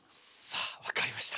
分かりました。